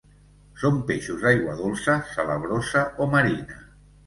Són peixos d'aigua dolça, salabrosa o marina.